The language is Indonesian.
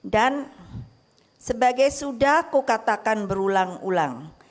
dan sebagai sudah kukatakan berulang ulang